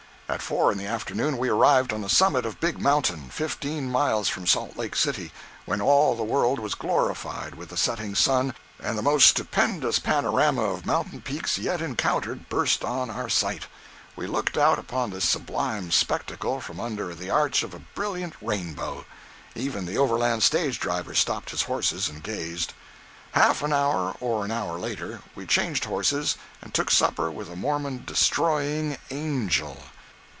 At four in the afternoon we arrived on the summit of Big Mountain, fifteen miles from Salt Lake City, when all the world was glorified with the setting sun, and the most stupendous panorama of mountain peaks yet encountered burst on our sight. We looked out upon this sublime spectacle from under the arch of a brilliant rainbow! Even the overland stage driver stopped his horses and gazed! Half an hour or an hour later, we changed horses, and took supper with a Mormon "Destroying Angel."